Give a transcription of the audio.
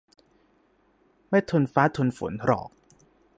ไม่ทนฟ้าทนฝนหรอก